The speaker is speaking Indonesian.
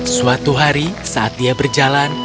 suatu hari saat dia berjalan